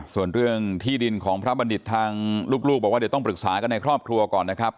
ส่วนเรื่องที่ดินของพระบัณฑิตทางลูกบอกว่าเดี๋ยวต้องปรึกษากันในครอบครัวก่อนนะครับ